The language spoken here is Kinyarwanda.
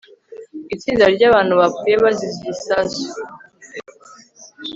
itsinda ryabantu bapfuye bazize igisasu